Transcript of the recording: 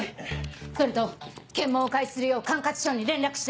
それと検問を開始するよう管轄署に連絡して。